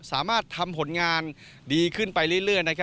สามารถทำผลงานดีขึ้นไปเรื่อย